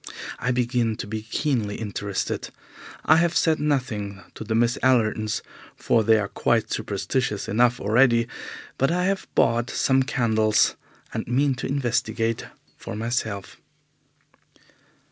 I begin to be keenly interested. I have said nothing to the Miss Allertons, for they are quite superstitious enough already, but I have bought some candles, and mean to investigate for myself.